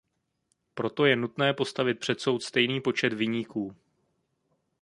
Proto je nutné postavit před soud stejný počet viníků.